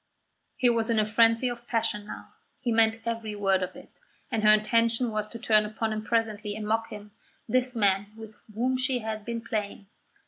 He was in a frenzy of passion now; he meant every word of it; and her intention was to turn upon him presently and mock him, this man with whom she had been playing.